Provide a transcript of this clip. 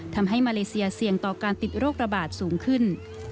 ทำให้มาเลเซียเสี่ยงต่อการติดโรคระบาดสูงขึ้น